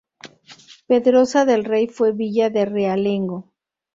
Pedrosa del Rey fue villa de realengo.